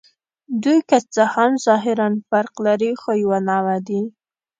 دوی که څه هم ظاهراً فرق لري، خو یوه نوعه دي.